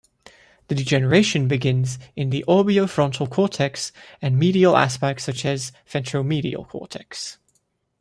The degeneration begins in the orbitofrontal cortex and medial aspects such as ventromedial cortex.